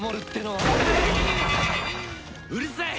うるさい！